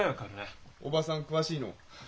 おばさん詳しいの？